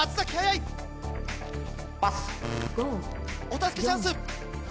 お助けチャンス。